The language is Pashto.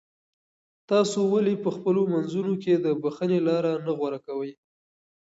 تاسو ولې په خپلو منځونو کې د بښنې لاره نه غوره کوئ؟